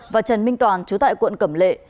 và trần minh toàn trú tại quận cẩm lệ